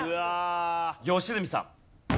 良純さん。